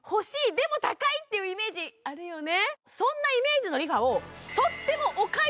でも高いってイメージがあるよね。